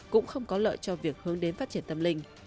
cũng không có lợi cho việc hướng đến phát triển tâm linh